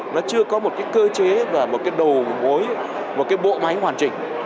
nó chưa có một cơ chế và một đầu mối một bộ máy hoàn chỉnh